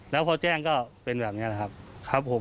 แล้วพอแจ้งก็เป็นแบบนี้นะครับ